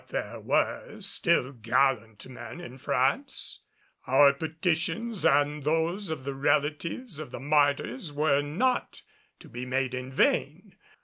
But there were still gallant men in France. Our petitions and those of the relatives of the martyrs were not to be made in vain.